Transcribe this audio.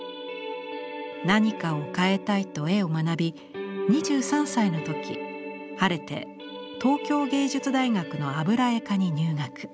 何かを変えたいと絵を学び２３歳の時晴れて東京藝術大学の油絵科に入学。